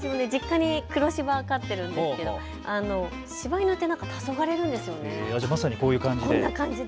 実家で黒しば飼っているんですがしば犬ってなぜかたそがれるんですよね。